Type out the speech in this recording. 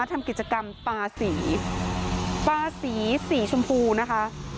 ทำกิจกรรมปลาสีปลาสีสีชมพูนะคะ